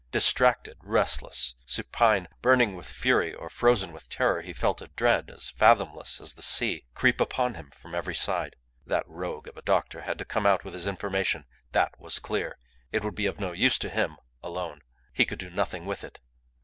Distracted, restless, supine, burning with fury, or frozen with terror, he felt a dread as fathomless as the sea creep upon him from every side. That rogue of a doctor had to come out with his information. That was clear. It would be of no use to him alone. He could do nothing with it.